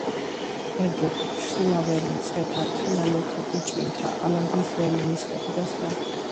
კერძოდ: შულავერი, მცხეთა, თრიალეთი, ბიჭვინთა, ალაზნის ველი, მესხეთი და სხვა.